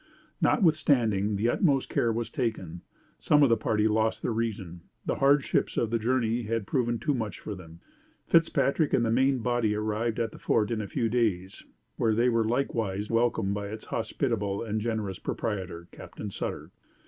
Notwithstanding the utmost care was taken, some of the party lost their reason. The hardships of the journey had proved too much for them. Fitzpatrick and the main body arrived at the Fort in a few days, where they were likewise welcomed by its hospitable and generous proprietor, Captain Sutter.